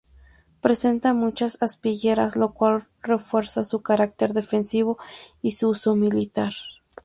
Presenta muchas aspilleras lo cual refuerza su carácter defensivo y su uso militar.